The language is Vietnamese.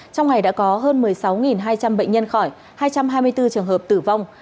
trong ngày đã có hơn một mươi sáu hai trăm linh bệnh nhân khỏi hai trăm hai mươi bốn trường hợp tử vong